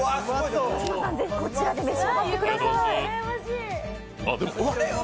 川島さん、ぜひ、こちらで召し上がってください。